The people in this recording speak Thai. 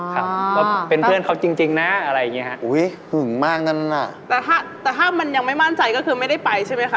แต่ถ้ามันยังไม่มั่นใจก็คือไม่ได้ไปใช่ไหมคะ